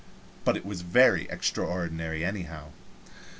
But it was very extraordinary, anyhow.